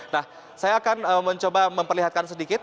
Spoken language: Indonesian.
nah saya akan mencoba memperlihatkan sedikit